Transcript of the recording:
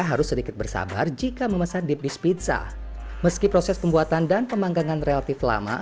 harus sedikit bersabar jika memesan deep dis pizza meski proses pembuatan dan pemanggangan relatif lama